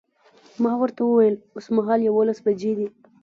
ما ورته وویل اوسمهال یوولس بجې دي.